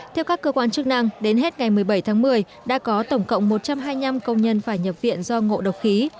theo các cơ quan chức năng đến hết ngày một mươi bảy tháng một mươi đã có tổng cộng một trăm hai mươi năm công nhân phải nhập viện do ngộ độc khí